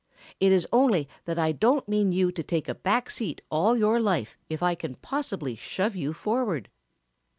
It is only that I don't mean you to take a back seat all your life if I can possibly shove you forward."